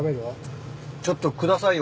ちょっと下さいよ